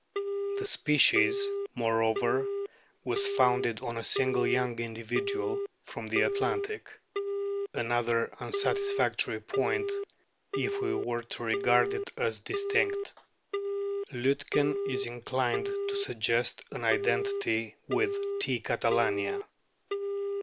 The species, moreover, was "founded on a single young individual from the Adriatic " another unsatisfactory point, if we are to regard it as distinct. Liitken is inclined to suggest an identity with T. catalania.